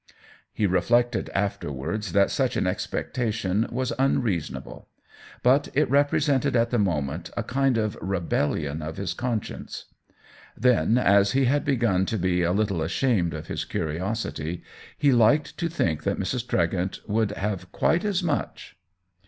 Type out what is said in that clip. He reflected afterwards that such an expec tation was unreasonable, but it represented at the moment a kind of rebellion of his conscience. Then, as he had begun to be a little ashamed of his curiosity, he liked to think that Mrs. Tregent would have quite as much.